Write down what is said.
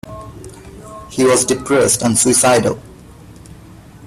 He was depressed and suicidal.